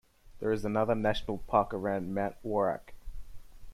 There is another national park around Mount Worak.